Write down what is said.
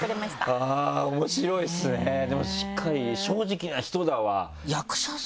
あぁ面白いですねでもしっかり正直な人だわ。